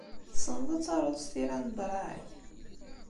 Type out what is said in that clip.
Tessneḍ ad taruḍ s tira n Braille?